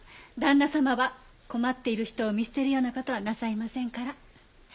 旦那様は困っている人を見捨てるようなことはなさいませんから。